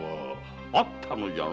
あったのじゃな？